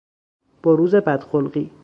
بروز بد خلقی